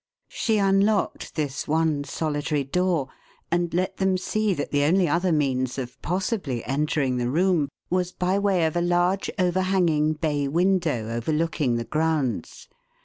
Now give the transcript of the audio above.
She unlocked this one solitary door, and let them see that the only other means of possibly entering the room was by way of a large overhanging bay window overlooking the grounds.